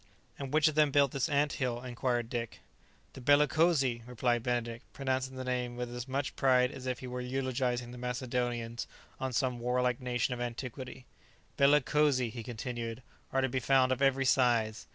"And which of them built this ant hill?" inquired Dick. "The bellicosi!" replied Benedict, pronouncing the name with as much pride as if he were eulogizing the Macedonians or some warlike nation of antiquity. "Bellicosi," he continued, "are to be found of every size.